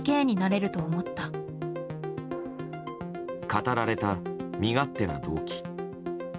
語られた、身勝手な動機。